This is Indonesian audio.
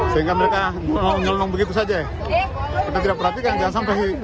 sehingga mereka nyolong nyolong begitu saja kita tidak perhatikan jangan sampai